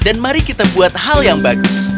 dan mari kita buat hal yang bagus